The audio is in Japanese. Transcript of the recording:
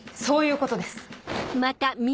そういうことです。